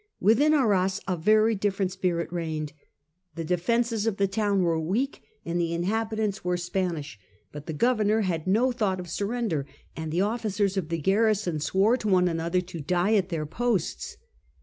Within Arras a very different spirit reigned. The defences of the town were weak and the inhabitants were Spanish ; but the governor had no thought of surrender, and the officers of the garrison swore to one another to die at their posts.